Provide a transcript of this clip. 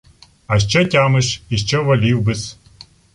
— А що тямиш. І що волів би-с.